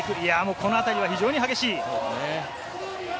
このあたりも非常に激しい。